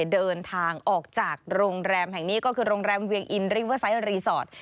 เดินทางออกจากโรงแรมแห่งนี้ก็คือโรงแรมเวียงอินริเวอร์ไซต์รีสอร์ท